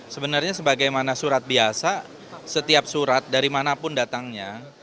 sebenarnya sebagaimana surat biasa setiap surat dari manapun datangnya